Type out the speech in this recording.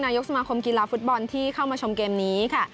นายกสมาคมกีฬาฟุตบอลที่เข้ามาชมเกมนี้ค่ะ